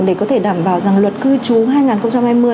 để có thể đảm bảo rằng luật cư chú